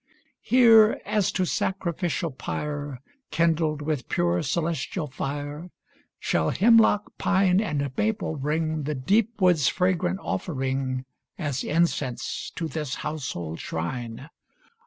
Here, as to sacrificial pyre Kindled with pure celestial fire, 434 THE FIRST FIRE Shall hemlock, pine, and maple bring The deep wood's fragrant offering, As incense to this household shrine.